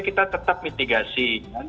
kita tetap mitigasi